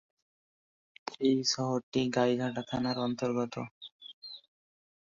এই শহরটি গাইঘাটা থানার অন্তর্গত।